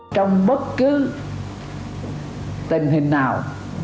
trong bất cứ tình hình nào